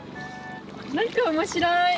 何か面白い。